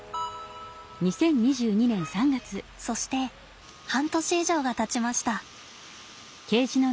そして半年以上がたちました。